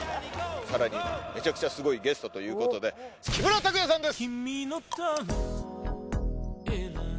更にめちゃくちゃすごいゲストということで木村拓哉さんです！